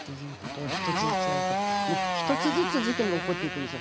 １つずつやるとね１つずつ事件が起こってくるんです。